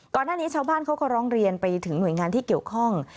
ก่อนหน้านี้ชาวบ้านเขาก็ร้องเรียนไปถึงหน่วยงานที่เกี่ยวข้อง